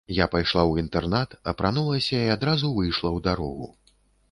Я пайшла ў інтэрнат, апранулася і адразу выйшла ў дарогу.